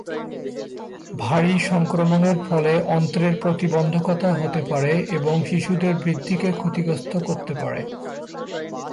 ভারী সংক্রমণের ফলে অন্ত্রের প্রতিবন্ধকতা হতে পারে এবং শিশুদের বৃদ্ধি কে ক্ষতিগ্রস্ত করতে পারে।